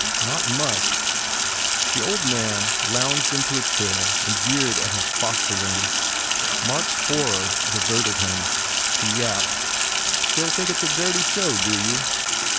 "Not much!" The old man lounged into a chair and jeered at his fosterling. Mark s horror diverted him. He yapped, "Still think it s a dirty show, do you?"